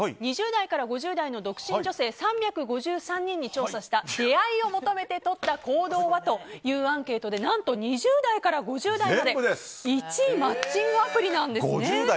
２０代から５０代の独身女子３５３人に調査した出会いを求めてとった行動はというアンケートで何と２０代から５０代まで１位がマッチングアプリです。